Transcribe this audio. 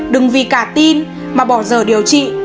đừng vì cả tin mà bỏ giờ điều trị